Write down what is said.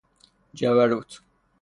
جبروت